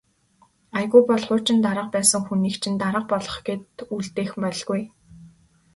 Аягүй бол хуучин дарга байсан хүнийг чинь дарга болгох гээд үлдээх байлгүй.